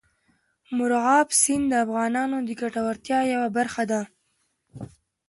مورغاب سیند د افغانانو د ګټورتیا یوه برخه ده.